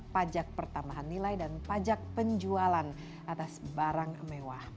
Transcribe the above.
pajak pertambahan nilai dan pajak penjualan atas barang mewah